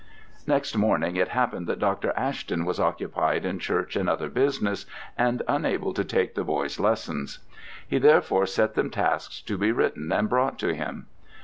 Next morning it happened that Dr. Ashton was occupied in church and other business, and unable to take the boys' lessons. He therefore set them tasks to be written and brought to him.